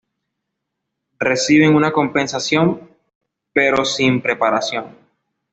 Reciben una compensación, pero sin preparación.